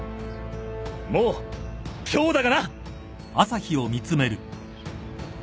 もう今日だがな！